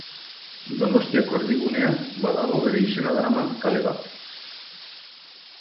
Donostiako erdigunean badago bere izena daraman kale bat.